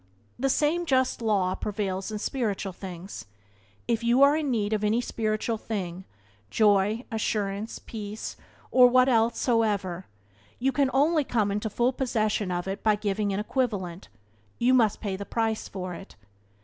The same just law prevails in spiritual things. If you are in need of any spiritual thing — joy, assurance, peace, or what else so ever — you can only come into full possession of it by giving an equivalent; you must pay the price for it.